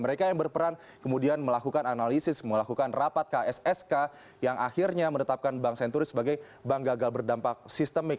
mereka yang berperan kemudian melakukan analisis melakukan rapat kssk yang akhirnya menetapkan bank senturi sebagai bank gagal berdampak sistemik